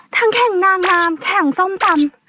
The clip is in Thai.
ทั้งแข่งนางนามแข่งส้มตำ